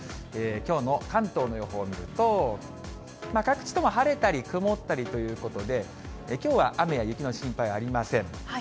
きょうの関東の予報見ると、各地とも晴れたり曇ったりということで、きょうは雨や雪の心配はありません。